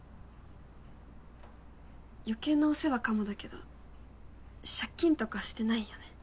余計なお世話かもだけど借金とかしてないよね？